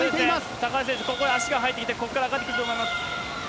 高橋選手、ここで足が入ってきて、ここから上がってくると思います。